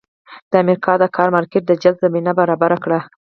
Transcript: د امریکا د کار مارکېټ د جذب زمینه برابره کړه.